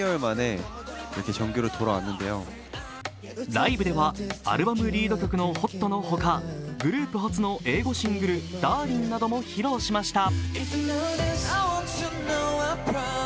ライブではアルバムリード曲の「ＨＯＴ」の他、グループ初の英語シングル「Ｄａｒｌ＋ｉｎｇ」なども披露しました。